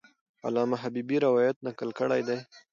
علامه حبیبي روایت نقل کړی دی.